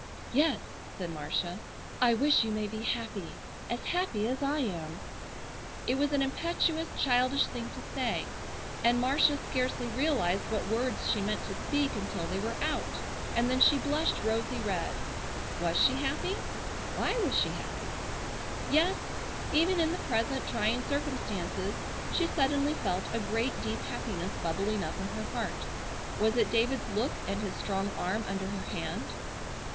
"Yes," said Marcia, "I wish you may be happy,—as happy as I am!" It was an impetuous, childish thing to say, and Marcia scarcely realized what words she meant to speak until they were out, and then she blushed rosy red. Was she happy? Why was she happy? Yes, even in the present trying circumstances she suddenly felt a great deep happiness bubbling up in her heart. Was it David's look and his strong arm under her hand?